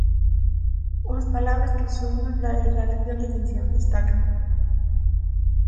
Unhas palabras que son unha clara declaración de intencións, destacan.